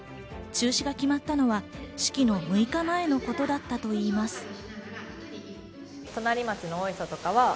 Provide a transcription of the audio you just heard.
中止が決まったのは式の６日前のことだったといいます。